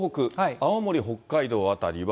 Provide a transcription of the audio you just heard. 青森、北海道辺りは。